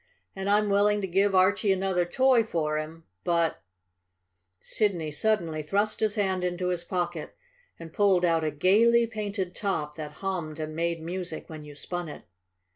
And I'm willing to give Archie another toy for him, but " Sidney suddenly thrust his hand into his pocket and pulled out a gaily painted top that hummed and made music when you spun it.